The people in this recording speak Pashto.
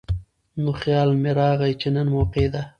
نو خيال مې راغے چې نن موقع ده ـ